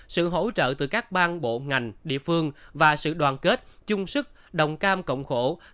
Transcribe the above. sự hỗ trợ từ các bang bộ ngành địa phương và sự đoàn kết chung sức đồng cam cộng khổ